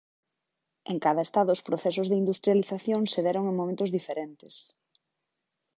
En cada Estado os procesos de industrialización se deron en momentos diferentes.